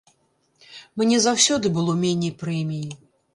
Мне заўсёды было меней прэміі.